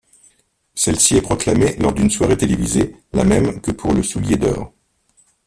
Celle-ci est proclamée lors d'une soirée télévisée, la même que pour le Soulier d'or.